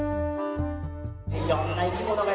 いろんな生き物がいるよ。